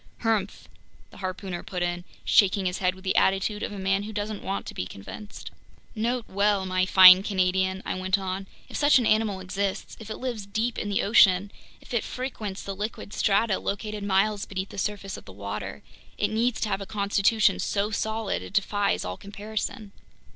"Humph!" the harpooner put in, shaking his head with the attitude of a man who doesn't want to be convinced. "Note well, my fine Canadian," I went on, "if such an animal exists, if it lives deep in the ocean, if it frequents the liquid strata located miles beneath the surface of the water, it needs to have a constitution so solid, it defies all comparison."